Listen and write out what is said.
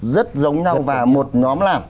rất giống nhau và một nhóm làm